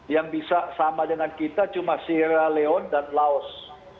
yang bisa sama dengan kita cuma cera leon dan laos